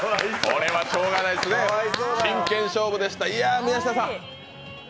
これはしようがないですね、真剣勝負でした。